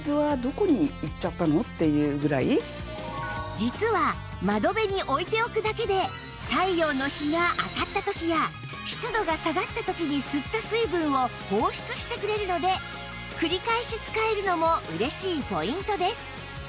実は窓辺に置いておくだけで太陽の日が当たった時や湿度が下がった時に吸った水分を放湿してくれるので繰り返し使えるのも嬉しいポイントです